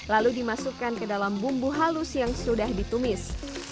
lalu dimasukkan ke dalam bumbu halus yang sudah ditumis